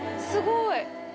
すごい。